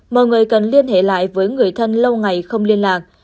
mọi người cần liên hệ lại với người thân lâu ngày không liên lạc